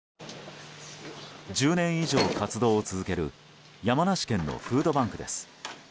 １０年以上活動を続ける山梨県のフードバンクです。